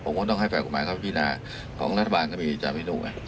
ผมก็ต้องให้ฝ่ายกฎหมายเข้าไปพิจารณาของรัฐบาลก็มีอีก๓ปีหนึ่งไง